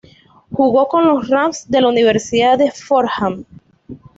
Jugó con los Rams de la Universidad de Fordham.